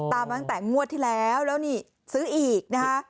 มาตั้งแต่งวดที่แล้วแล้วนี่ซื้ออีกนะคะ